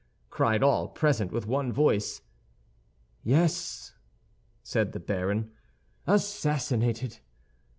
cried all present, with one voice. "Yes," said the baron, "assassinated.